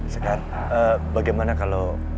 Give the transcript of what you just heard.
sekar bagaimana kalau